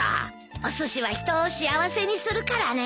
おすしは人を幸せにするからね。